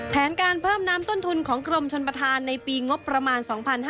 แผนการเพิ่มน้ำต้นทุนของกรมชนประธานในปีงบประมาณ๒๕๕๙